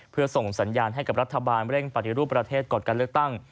เพื่อส่งสัญญาณให้กับรัฐบาลเร่งปฏิรูปประเทศก่อนการเลือกตั้ง